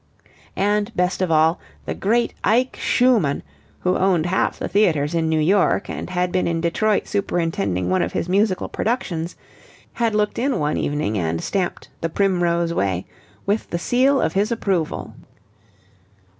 And, best of all, the great Ike Schumann, who owned half the theatres in New York and had been in Detroit superintending one of his musical productions, had looked in one evening and stamped "The Primrose Way" with the seal of his approval.